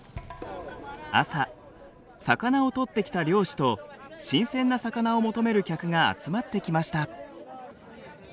朝魚を取ってきた漁師と新鮮な魚を求める客が集まってきました。